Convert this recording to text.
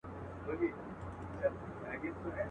غل نارې وهي چي غل دی غوغا ګډه ده په کلي.